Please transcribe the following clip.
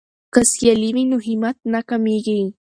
که سیالي وي نو همت نه کمیږي.